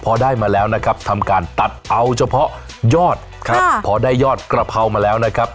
พอได้มาแล้วนะครับทำการตัดเอาเฉพาะยอดครับพอได้ยอดกระเพรามาแล้วนะครับ